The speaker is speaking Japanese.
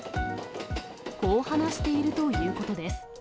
こう話しているということです。